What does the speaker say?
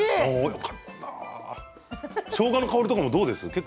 しょうがの香りとかどうですか。